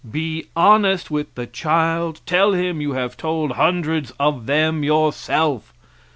Be honest with the child, tell him you have told hundreds of them yourself.